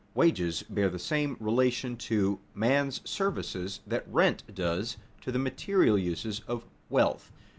Wages bear the same relation to man's services that rent does to the material uses of wealth.